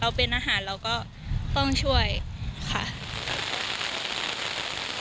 เป็นอาหารเราก็ต้องช่วยค่ะ